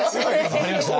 分かりました？